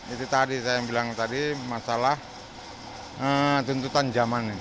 itu tadi saya yang bilang tadi masalah tuntutan zaman